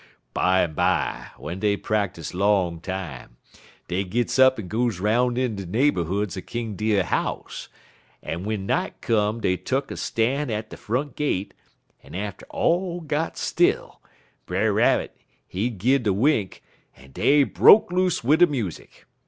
Bimeby, w'en dey practise long time, dey gits up en goes 'roun' in de neighborhoods er King Deer house, en w'en night come dey tuck der stan' at de front gate, en atter all got still, Brer Rabbit, he gun de wink, en dey broke loose wid der music.